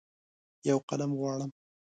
یوقلم غواړم